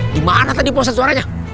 gimana tadi pak ustadz suaranya